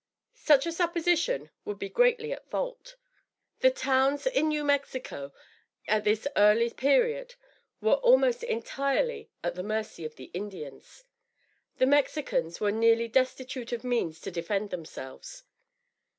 Such a supposition would be greatly at fault. The towns in New Mexico, at this early period, were almost entirely at the mercy of the Indians. The Mexicans were nearly destitute of means to defend themselves.